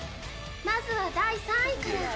まずは第３位から。